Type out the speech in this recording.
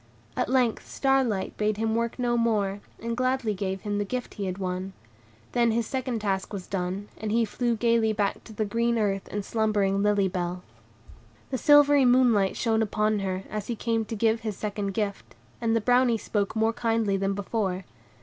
At length Star Light bade him work no more, and gladly gave him the gift he had won. Then his second task was done, and he flew gayly back to the green earth and slumbering Lily Bell. The silvery moonlight shone upon her, as he came to give his second gift; and the Brownie spoke more kindly than before.